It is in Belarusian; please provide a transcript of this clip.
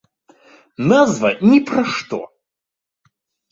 Назва ні пра што.